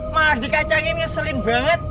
malah dikacangin ngeselin banget